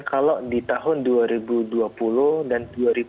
kalau di tahun dua ribu dua puluh dan dua ribu dua puluh